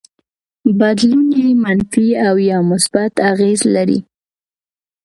بدلون يې منفي او يا مثبت اغېز لري.